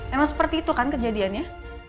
emang seperti itu kan kejadiannya